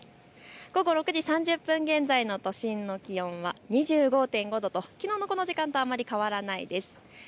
午後６時３０分の都心の気温は２５．５度ときのうのこの時間とあまり変わりません。